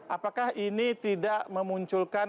apakah ini tidak memunculkan